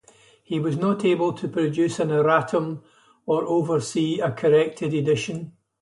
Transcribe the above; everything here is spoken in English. He was not able to produce an erratum or oversee a corrected edition.